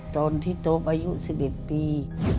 ตอนที่โต๊ปอายุ๑๑ปี